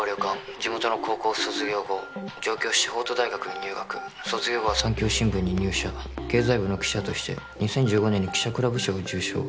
☎地元の高校を卒業後上京し法都大学に入学☎卒業後は産教新聞に入社経済部の記者として２０１５年に記者クラブ賞を受賞